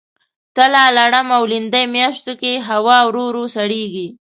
تله ، لړم او لیندۍ میاشتو کې هوا ورو ورو سړیږي.